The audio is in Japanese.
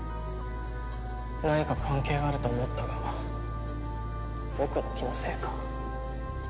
何か関係があると思ったが僕の気のせいか？